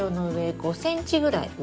５ｃｍぐらい上。